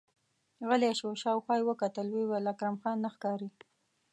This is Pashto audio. غلی شو، شاوخوا يې وکتل، ويې ويل: اکرم خان نه ښکاري!